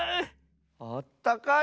あったかい？